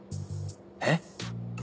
えっ？